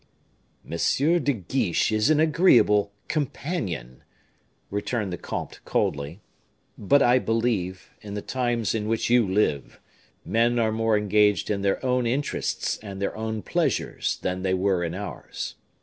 "M. de Guiche is an agreeable companion," resumed the comte, coldly, "but I believe, in the times in which you live, men are more engaged in their own interests and their own pleasures than they were in ours.